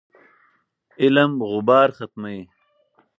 علم غبار ختموي.